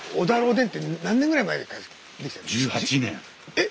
えっ！